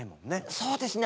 そうですね。